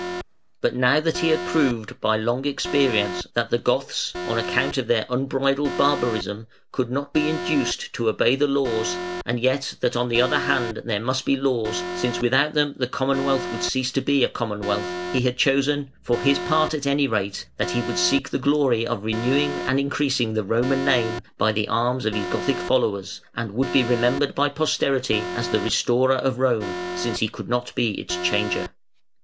But now that he had proved by long experience that the Goths, on account of their unbridled barbarism, could not be induced to obey the laws, and yet that, on the other hand, there must be laws, since without them the Commonwealth would cease to be a Commonwealth, he had chosen, for his part at any rate, that he would seek the glory of renewing and increasing the Roman name by the arms of his Gothic followers, and would be remembered by posterity as the restorer of Rome, since he could not be its changer". [Footnote 4: Orosius Histor.